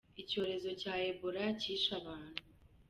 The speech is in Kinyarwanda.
Icyorezo cya Ebola kishe abantu